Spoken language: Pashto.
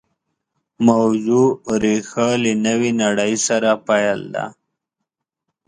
موضوع ریښه له نوې نړۍ سره پیل ده